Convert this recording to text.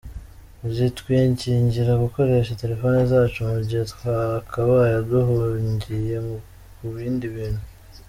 Zitwingingira gukoresha telefoni zacu mu gihe twakabaye duhugiye ku bindi bintu.